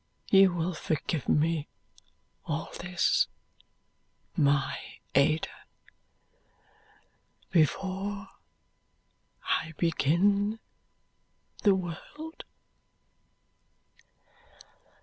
You will forgive me all this, my Ada, before I begin the world?"